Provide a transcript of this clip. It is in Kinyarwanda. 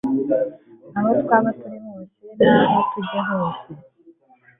Aho twaba turi hose, naho tujya hose,